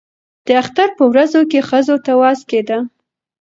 د اختر په ورځو کې ښځو ته وعظ کېده.